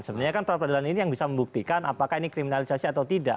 sebenarnya kan peradilan ini yang bisa membuktikan apakah ini kriminalisasi atau tidak